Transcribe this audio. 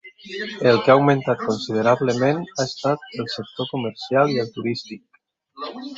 El que ha augmentat considerablement ha estat el sector comercial i el turístic.